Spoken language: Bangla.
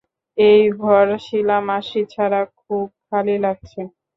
এই ঘর শিলা মাসি ছাড়া খুব খালি লাগছে।